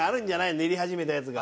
練り始めたやつが。